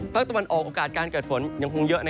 ภาคตะวันออกโอกาสการเกิดฝนยังคงเยอะ